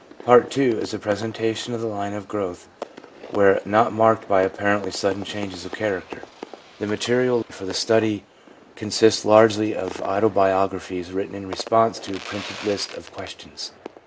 Part II. is a presentation of the line of growth where not marked by apparently sudden changes of character. The material for the study con i2 THE PSYCHOLOGY OF RELIGION sists largely of autobiographies written in response to a printed list of questions.